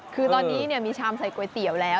คือตอนนี้มีชามใส่ก๋วยเตี๋ยวแล้ว